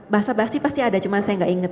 bahasa bahasi pasti ada cuman saya enggak inget